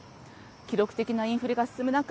記録的なインフレが進む中